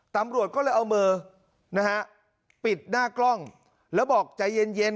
ตำรวจก็เลยเอามือนะฮะปิดหน้ากล้องแล้วบอกใจเย็นเย็น